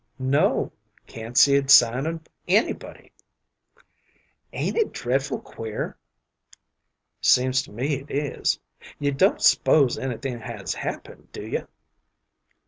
"No; can't see a sign of anybody." "Ain't it dreadful queer?" "Seems to me it is. You don't s'pose anything has happened, do you?"